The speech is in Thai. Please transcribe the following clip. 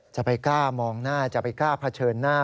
จะไปกล้ามองหน้าจะไปกล้าเผชิญหน้า